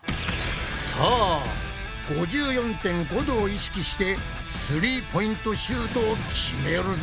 さあ５４．５度を意識してスリーポイントシュートを決めるぞ！